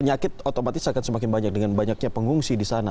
penyakit otomatis akan semakin banyak dengan banyaknya pengungsi di sana